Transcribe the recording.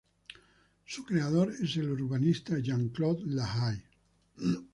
Su creador es el urbanista Jean-Claude La Haye